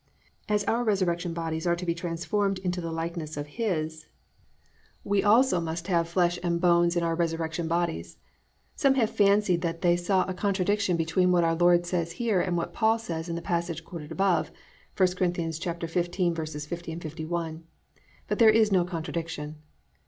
"+ As our resurrection bodies are to be transformed into the likeness of His, we also must have "flesh and bones" in our resurrection bodies. Some have fancied that they saw a contradiction between what our Lord says here and what Paul says in the passage quoted above (I Cor. 15:50, 51), but there is no contradiction.